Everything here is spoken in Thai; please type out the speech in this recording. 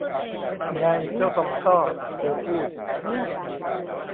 ไง เจ้าซอมซ่อ เธอพูด